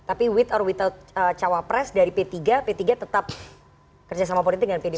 tapi with or without cawapres dari p tiga p tiga tetap kerjasama politik dengan pdip